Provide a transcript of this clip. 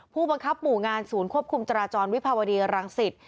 ผู้บังคับหมู่งานศูนย์ควบคุมจราจรวิภาวดีรังสิต